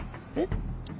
えっ？